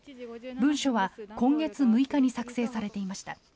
文書は今月６日に作成されていました。